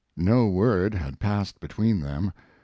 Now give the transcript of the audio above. No word had passed between them.